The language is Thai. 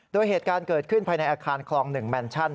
โดยเหตุการณ์เกิดขึ้นภายในอาคารคลอง๑แมนชั่น